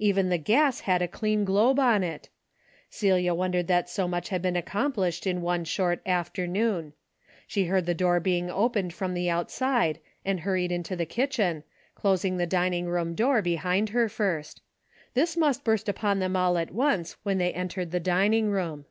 Even the gas had a clean globe on it. Celia wondered that so much had been accomplished in one short afternoon. She heard the door being opened from the outside and hurried into the kitchen, closing the dining room door behind her first. This must burst upon them all at once when they entered the dining room.